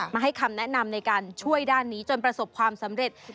ให้คำแนะนำในการช่วยด้านนี้จนประสบความสำเร็จ